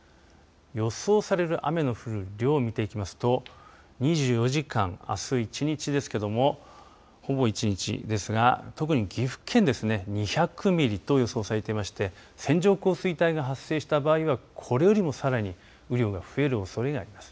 予想される雨の降る量、見ていきますと２４時間、あす１日ですけれどもほぼ１日ですが特に岐阜県ですね２００ミリと予想されていまして線状降水帯が発生した場合はこれよりもさらに雨量が増えるおそれがあります。